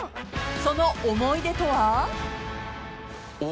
［その思い出とは？］